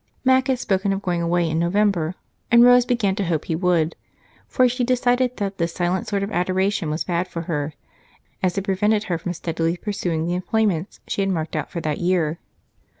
Mac had spoken of going away in November, and Rose began to hope he would, for she decided that this silent sort of adoration was bad for her, as it prevented her from steadily pursuing the employments she had marked out for that year.